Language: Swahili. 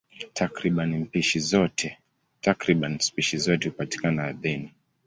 Takriban spishi zote hupatikana ardhini.